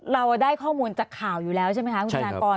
เราได้ข้อมูลจากข่าวอยู่แล้วใช่ไหมคะคุณธนากร